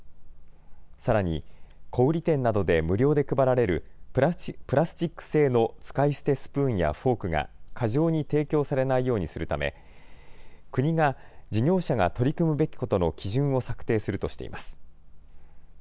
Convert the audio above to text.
さらに、小売店などで無料で配られるプラスチック製の使い捨てスプーンやフォークが過剰に提供されないようにするため国が事業者が取り組むべきことの基準を策定するとしています。